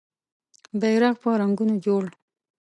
بېرغ په رنګونو جوړ